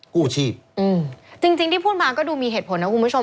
กู้ชีพอืมจริงจริงที่พูดมาก็ดูมีเหตุผลนะคุณผู้ชม